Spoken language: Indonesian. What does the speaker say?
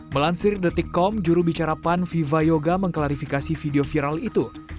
melansir detik com jurubicarapan viva yoga mengklarifikasi video viral itu